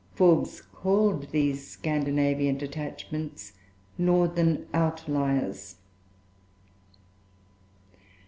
Forbes called these Scandinavian detachments "Northern outliers."